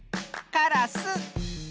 カラス。